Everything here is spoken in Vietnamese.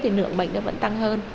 thì nưỡng bệnh nó vẫn tăng hơn